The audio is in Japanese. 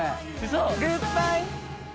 「グッバイ」